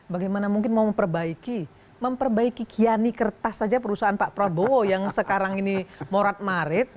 bagaimana mungkin mau memperbaiki memperbaiki kiani kertas saja perusahaan pak prabowo yang sekarang ini morat marit